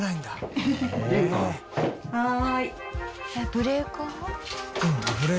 えっブレーカー？